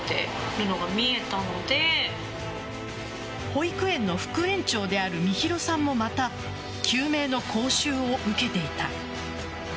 保育園の副園長である美弘さんもまた救命の講習を受けていた。